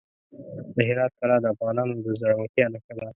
د هرات کلا د افغانانو د زړورتیا نښه ده.